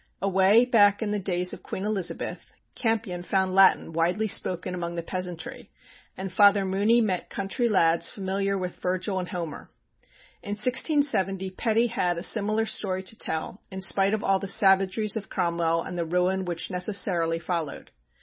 Away back in the days of Queen Elizabeth, Campion found Latin widely spoken among the peasantry, and Father Mooney met country lads familiar with Virgil and Homer. In 1670, Petty had a similar story to tell, in spite of all the savageries of Cromwell and the ruin which necessarily followed.